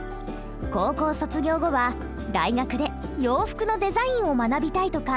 高校卒業後は大学で洋服のデザインを学びたいと考えているぼる君。